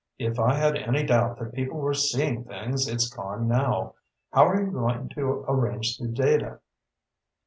If I had any doubt that people were seeing things, it's gone now. How are you going to arrange the data?"